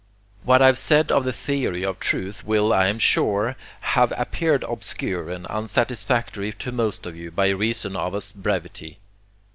What I have said of the theory of truth will, I am sure, have appeared obscure and unsatisfactory to most of you by reason of us brevity.